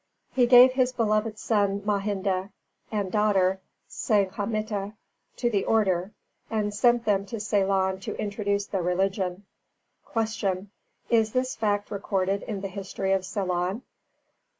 He gave his beloved son, Mahinda, and daughter, Sanghamitta, to the Order, and sent them to Ceylon to introduce the religion. 297. Q. _Is this fact recorded in the history of Ceylon?